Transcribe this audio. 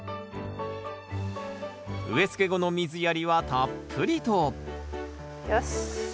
植えつけ後の水やりはたっぷりとよし。